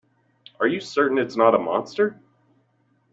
Are you certain it's not a monster?